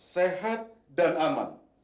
sehat dan aman